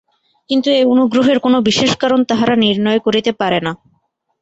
কিন্তু এ অনুগ্রহের কোনো বিশেষ কারণ তাহারা নির্ণয় করিতে পারে না।